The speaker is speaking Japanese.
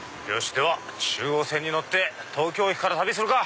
では中央線に乗って東京駅から旅するか！